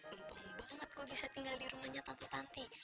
untung banget gue bisa tinggal di rumahnya tante tanti